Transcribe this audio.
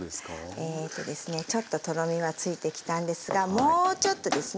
えとですねちょっととろみはついてきたんですがもうちょっとですね。